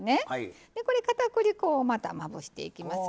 これかたくり粉をまたまぶしていきます。